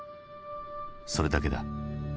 それだけだ。